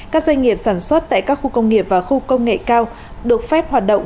các doanh nghiệp sản xuất tại các khu công nghiệp và khu công nghệ cao được phép hoạt động